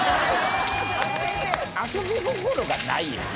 遊び心がないよね。